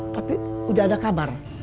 tapi udah ada kabar